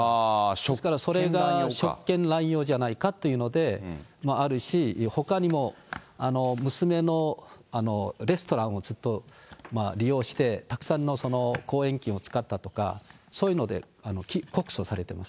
ですからそれが職権乱用じゃないかっていうので、あるし、ほかにも娘のレストランをずっと利用して、たくさんの公益金を使ったとか、そういうので、告訴されてます。